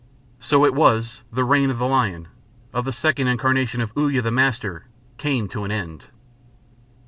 So it was the reign of the lion, of the second incarnation of Uya the Master, came to an end.